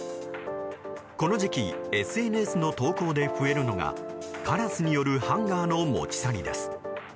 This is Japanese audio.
この時期ＳＮＳの投稿で増えるのがカラスによるハンガーの持ち去りです。